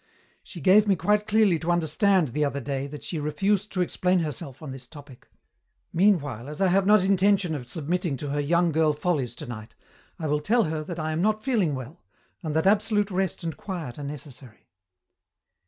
She gave me quite clearly to understand, the other day, that she refused to explain herself on this topic. Meanwhile, as I have not intention of submitting to her young girl follies tonight, I will tell her that I am not feeling well, and that absolute rest and quiet are necessary."